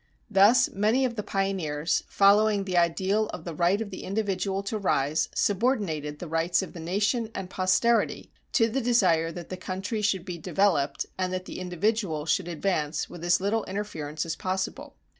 Thus many of the pioneers, following the ideal of the right of the individual to rise, subordinated the rights of the nation and posterity to the desire that the country should be "developed" and that the individual should advance with as little interference as possible.